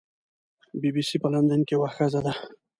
بی بي سي په لندن کې یوه ښځه ده.